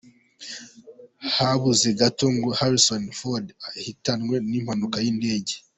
Habuze gato ngo Harrison Ford ahitanwe n'impanuka y'indege.